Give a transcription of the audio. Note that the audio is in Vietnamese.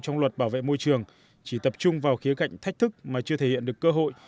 trong luật bảo vệ môi trường chỉ tập trung vào khía cạnh thách thức mà chưa thể hiện được cơ hội